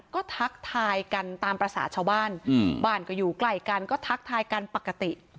ก็ทักทายกันตามภาษาชาวบ้านบ้านก็อยู่ใกล้กันก็ทักทายกันปกติ